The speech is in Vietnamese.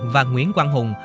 và nguyễn quang hùng